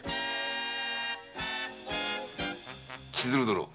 千鶴殿。